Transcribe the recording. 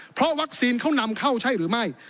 เพราะวัคซีนเขานำเข้าใช่หรือไม่